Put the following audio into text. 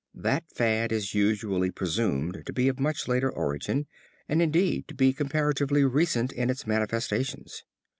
That fad is usually presumed to be of much later origin and indeed to be comparatively recent in its manifestations.